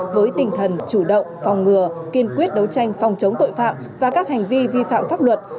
với tinh thần chủ động phòng ngừa kiên quyết đấu tranh phòng chống tội phạm và các hành vi vi phạm pháp luật